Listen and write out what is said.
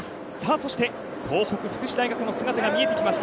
そして東北福祉大学の姿が見えてきました。